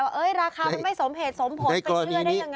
ราคามันไม่สมเหตุสมผลไปเชื่อได้ยังไง